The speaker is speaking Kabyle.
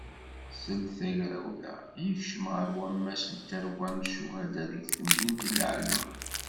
Seld tagrawla, yekcem ɣer wammas n tarwa n ccuhada deg temdint n Lɛelma.